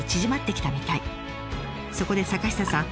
そこで坂下さん